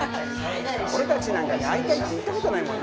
俺たちなんかに会いたいって言ったことない。